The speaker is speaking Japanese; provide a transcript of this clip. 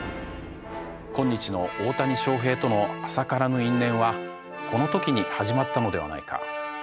今日の大谷翔平との浅からぬ因縁はこの時に始まったのではないか。